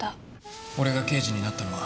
俺が刑事になったのは